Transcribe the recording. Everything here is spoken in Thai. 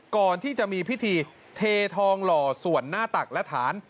ก่อนที่จะมีพิธีเททองหล่อส่วนหน้าตักและฐาน